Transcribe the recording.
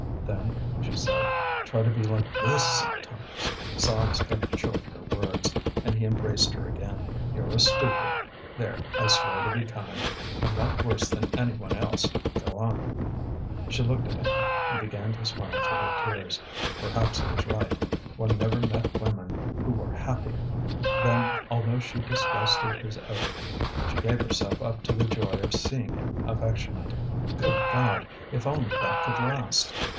"Then," she said, "try to be like this sometimes." Sobs cut short her words, and he embraced her again. "You're a stupid! There, I swear to be kind. I'm not worse than any one else, go on!" She looked at him, and began to smile through her tears. Perhaps he was right; one never met women who were happy. Then, although she distrusted his oath, she gave herself up to the joy of seeing him affectionate. Good God! if only that could last!